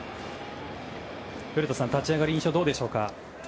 古田さん、立ち上がり印象はどうでしょうか。